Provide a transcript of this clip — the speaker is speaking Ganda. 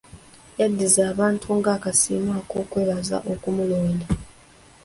Yaddiza abantu nga akasiimo kw'okwebaza okumulonda.